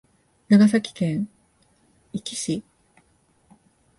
長崎県壱岐市